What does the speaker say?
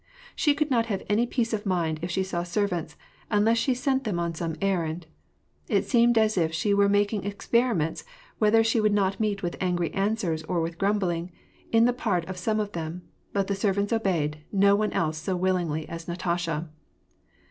She could not have any peace of mind if she saw servants, unless she sent them on some errand. It seemed as if she were making experiments whether she would not meet with angry answers or with grumbling, on the part of some of them, but the ser vants obeyed no one else so willingly as Natasha.